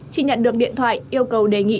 chị nhận được điện thoại yêu cầu đề nghị